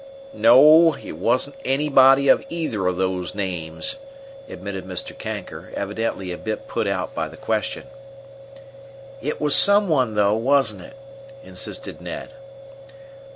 "No, it wasn't anybody of either of those names," admitted Mr. Kanker, evidently a bit put out by the question. "It was some one, though, wasn't it?" insisted Ned.